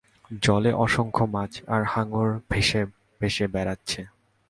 জলে অসংখ্য মাছ আর হাঙ্গর ভেসে ভেসে বেড়াচ্চে।